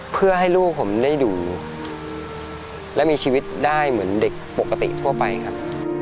เพื่อให้ลูกผมได้อยู่และมีชีวิตได้เหมือนเด็กปกติทั่วไปครับ